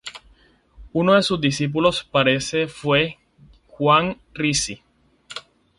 Uno de sus discípulos parece fue Juan Ricci.